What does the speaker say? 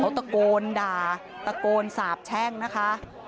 ตะโกนด่าตะโกนสาบแช่งนะคะ